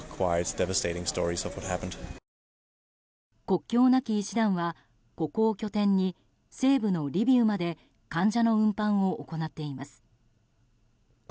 国境なき医師団はここを拠点に西部のリビウまで患者の運搬を行っています。